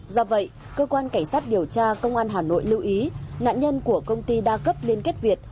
do vậy cơ quan cảnh sát điều tra công an hà nội lưu ý nạn nhân của công ty đa cấp liên kết việt